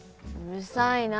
うるさいな。